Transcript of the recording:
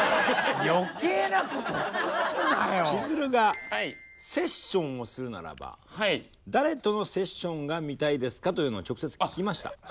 しずるがセッションをするならば誰とのセッションが見たいですか？というのを直接聞きました。